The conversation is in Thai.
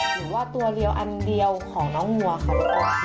หรือว่าตัวเหลียวอันเดียวของน้องมัวค่ะ